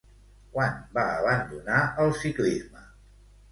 Quan va abandonar el ciclisme?